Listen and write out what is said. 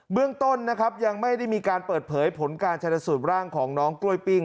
เรื่องต้นนะครับยังไม่ได้มีการเปิดเผยผลการชนสูตรร่างของน้องกล้วยปิ้ง